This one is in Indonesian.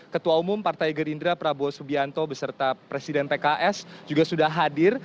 ketua umum partai gerindra prabowo subianto beserta presiden pks juga sudah hadir